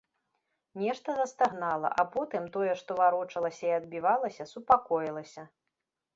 Нешта застагнала, а потым тое, што варочалася і адбівалася, супакоілася.